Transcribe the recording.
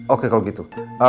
oke kalau gitu